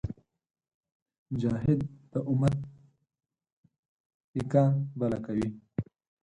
مجاهد د امت پیکه بله کوي.